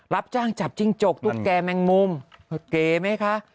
รับจ้างจับจิ้งจกตุ๊กแก่แมงมุมเก๋ไหมคะ